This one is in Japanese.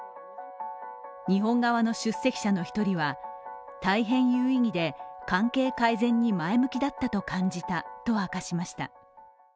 日本側の出席者の一人は大変、有意義で関係改善に前向きだったと感じたと明かしました。